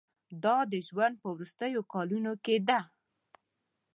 دا د ژوند په وروستیو کلونو کې ده.